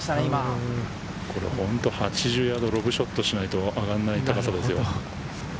８０ヤード、ロブショットしないと上がらないんですよ。